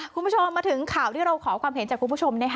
คุณผู้ชมมาถึงข่าวที่เราขอความเห็นจากคุณผู้ชม